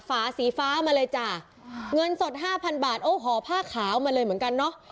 ฝาสีฟ้ามาเลยจ้ะเงินสดห้าพันบาทโอ้ห่อผ้าขาวมาเลยเหมือนกันเนอะ